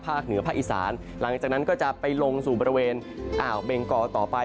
เหนือภาคอีสานหลังจากนั้นก็จะไปลงสู่บริเวณอ่าวเบงกอต่อไป